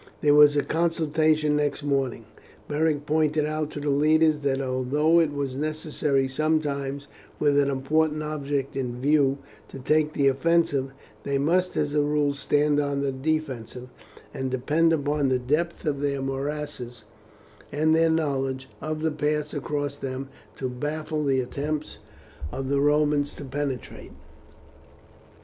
There was a consultation next morning. Beric pointed out to the leaders that although it was necessary sometimes with an important object in view to take the offensive, they must as a rule stand on the defensive, and depend upon the depth of their morasses and their knowledge of the paths across them to baffle the attempts of the Romans to penetrate.